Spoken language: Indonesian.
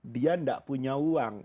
dia gak punya uang